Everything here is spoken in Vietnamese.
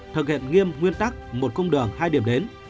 thực hiện nghiêm nguyên tắc một cung đường hai điểm đến